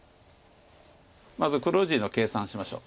まず黒地の計算しましょう。